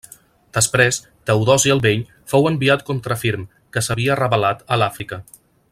Després, Teodosi el vell fou enviat contra Firm, que s'havia rebel·lat a l'Àfrica.